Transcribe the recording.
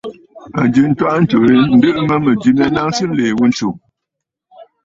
A jɨ ntwaʼa ntsǔ yi, ǹdɨʼɨ nɨ mə mɨ̀jɨ mya naŋsə nlìì ghu ntsù.